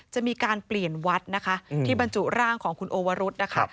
จะมีการเปลี่ยนวัดนะคะที่บรรจุร่างของคุณโอวรุษนะคะ